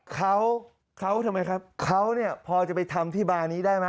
เขาเขาทำไมครับเขาเนี่ยพอจะไปทำที่บาร์นี้ได้ไหม